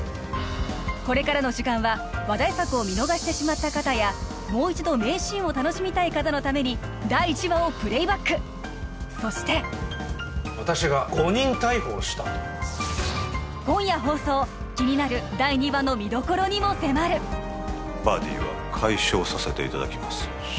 これからの時間は話題作を見逃してしまった方やもう一度名シーンを楽しみたい方のために第１話をプレイバックそして私が誤認逮捕をしたと今夜放送気になる第２話の見どころにも迫るバディは解消させていただきます